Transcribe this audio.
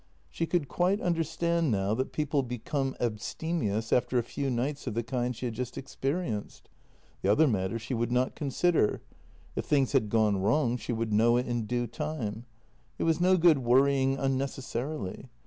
She could quite understand now that people become abstemious after a few nights of the kind she had just experienced. The other matter she would not con sider; if things had gone wrong she would know it in due time —■ it was no good worrying unnecessarily.